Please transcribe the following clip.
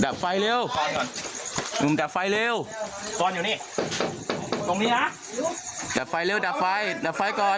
เปิดนี้แล้วเปิดก่อน